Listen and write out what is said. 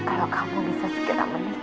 ibu akan sangat bahagia